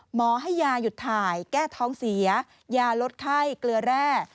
หมอให้ยาหยุดถ่ายแก้ท้องเสียยาลดไข้เกลือแร่